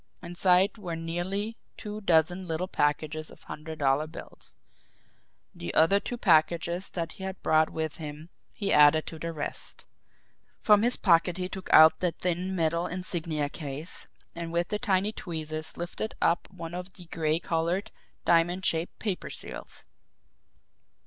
Inside were nearly two dozen little packages of hundred dollar bills. The other two packages that he had brought with him he added to the rest. From his pocket he took out the thin metal insignia case, and with the tiny tweezers lifted up one of the gray coloured, diamond shaped paper seals.